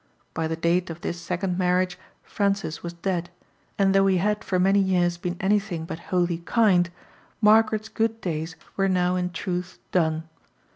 By the date of this second marriage Francis was dead, and though he had for many years been anything but wholly kind, Margaret's good days were now in truth done.